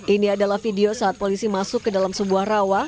ini adalah video saat polisi masuk ke dalam sebuah rawa